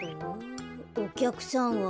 おきゃくさんは？